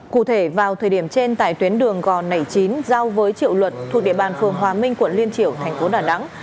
cụ thể vào thời điểm trên tại tuyến đường gò nẩy chín giao với triệu luật thuộc địa bàn phường hòa minh quận liên triểu thành phố đà nẵng